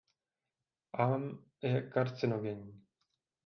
Am je karcinogenní.